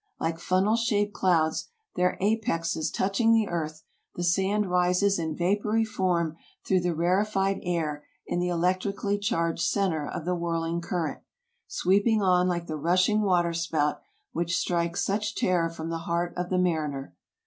Like funnel shaped clouds, their apexes touching the earth, the sand rises in vapory form through the rarefied air in the electrically charged center of the whirl ing current, sweeping on like the rushing water spout, which strikes such terror into the heart of the mariner.